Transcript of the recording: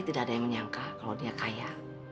tidak ada yang menyangka kalau dia kaya